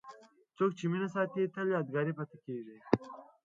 څوک چې مینه ساتي، تل یادګاري پاتې کېږي.